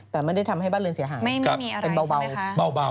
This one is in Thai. แต่ไม่ได้ทำให้บ้านเรือนเสียหายเป็นเบา